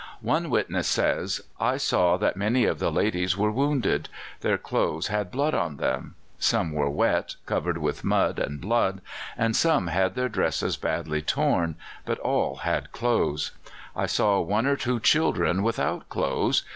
One witness says: "I saw that many of the ladies were wounded. Their clothes had blood on them. Some were wet, covered with mud and blood, and some had their dresses badly torn, but all had clothes. I saw one or two children without clothes.